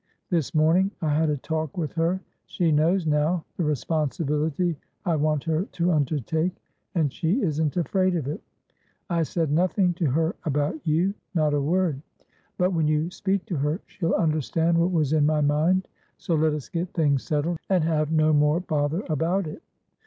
This morning I had a talk with her. She knows, now, the responsibility I want her to undertake, and she isn't afraid of it. I said nothing to her about you; not a word: but, when you speak to her, she'll understand what was in my mind. So let us get things settled, and have no more bother about it.